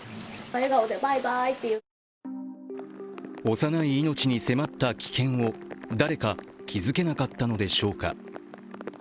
幼い命に迫った危険を誰か気づけなかったのでしょうか。